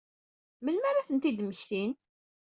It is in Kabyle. Melmi ara ad ten-id-mmektin?